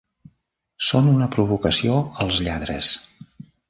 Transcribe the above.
Són una provocació als lladres.